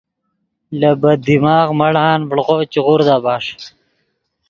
لے بد دماغ مڑان ڤڑغو چے غودا بݰ